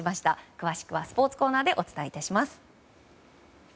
詳しくは、スポーツコーナーでお伝えいたします。